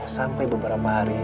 sampai beberapa hari